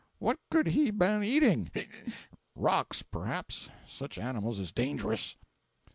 What could he ben eating? ('ic!) Rocks, p'raps. Such animals is dangerous.